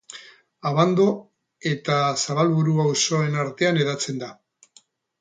Abando eta Zabalburu auzoen artean hedatzen da.